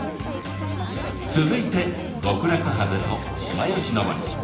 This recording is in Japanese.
続いてゴクラクハゼとシマヨシノボリ。